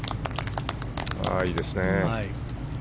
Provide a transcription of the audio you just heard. いいですね。